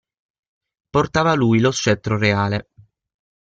Portava lui lo scettro reale.